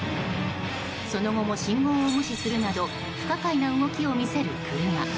その後も、信号を無視するなど不可解な動きを見せる車。